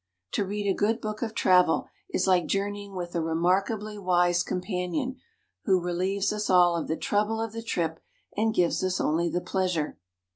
To read a good book of travel is like journeying with a remarkably wise companion, who relieves us of all the trouble of the trip and gives us only the pleasure.